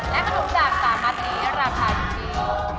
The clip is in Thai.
และขนมจาก๓อันนี้ราคาอยู่ที่